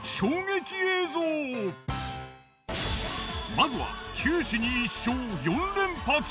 まずは。